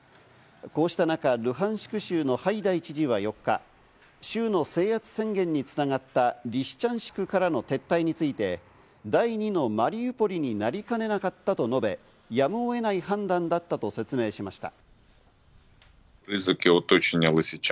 こうした中、ルハンシク州のハイダイ知事は４日、州の制圧宣言に繋がったリシチャンシクからの撤退について第２のマリウポリになりかねなかったと述べ、やむを得ない判断だったと説明しました。